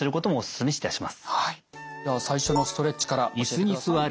では最初のストレッチから教えてください。